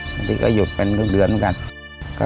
บางทีก็หยุดเป็นครึ่งเดือนเหมือนกัน